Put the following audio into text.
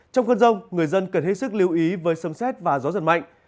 trong cơn rông người dân cần hết sức lưu ý với sâm xét và gió giật mạnh